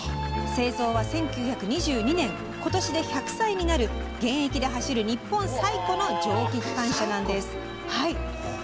製造は、１９２２年今年で１００歳になる現役で走る日本最古の蒸気機関車なんです。